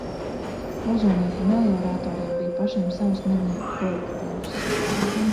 Ozolnieku melioratoriem bija pašiem savs mednieku kolektīvs.